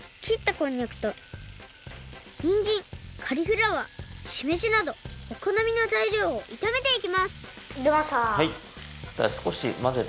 こんにゃくとニンジンカリフラワーしめじなどおこのみのざいりょうをいためていきますいれました。